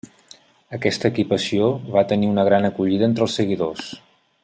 Aquesta equipació va tenir una gran acollida entre els seguidors.